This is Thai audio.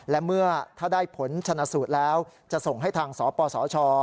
และเมื่อถ้าได้ผลชนะสูตรแล้วจะส่งให้ทางสปสช